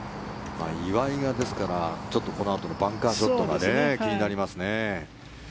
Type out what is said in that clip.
岩井が、ですからこのあとのバンカーショットが気になりますね。